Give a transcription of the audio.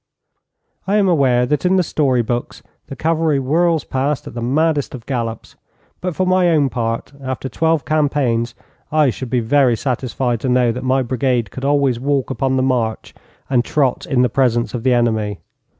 I am aware that in the story books the cavalry whirls past at the maddest of gallops; but for my own part, after twelve campaigns, I should be very satisfied to know that my brigade could always walk upon the march and trot in the presence of the enemy.